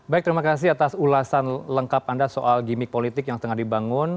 baik terima kasih atas ulasan lengkap anda soal gimmick politik yang sedang dibangun